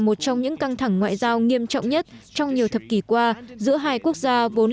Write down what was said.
một trong những căng thẳng ngoại giao nghiêm trọng nhất trong nhiều thập kỷ qua giữa hai quốc gia vốn